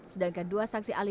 sedangkan dua saksi ahli